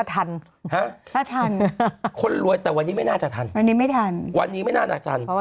ถ้าทันคนรวยแต่วันนี้ไม่น่าจะทันวันนี้ไม่น่าจะทัน